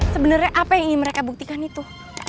sebenarnya apa yang ingin mereka buktikan itu